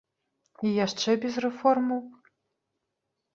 І яшчэ без рэформаў?